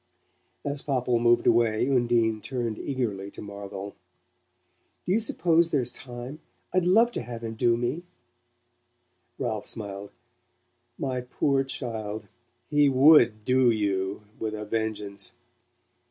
As Popple moved away Undine turned eagerly to Marvell. "Do you suppose there's time? I'd love to have him to do me!" Ralph smiled. "My poor child he WOULD 'do' you, with a vengeance.